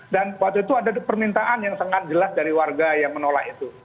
dan waktu itu ada permintaan yang sangat jelas dari warga yang menolak itu